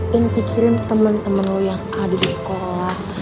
dan pikirin temen temen lo yang ada di sekolah